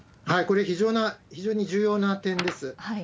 これ、非常に重要な点です。